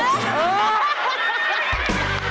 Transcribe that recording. เออ